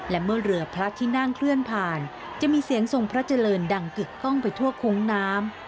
และเมื่อเรือพระที่นั่งเคลื่อนผ่านจะมีเสียงทรงพระเจริญดังกึกกล้องไปทั่วโค้งน้ำ